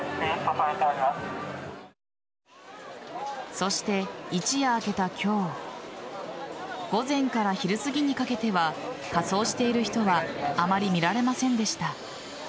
そして、一夜明けた今日午前から昼すぎにかけては仮装している人はあまり見られませんでした。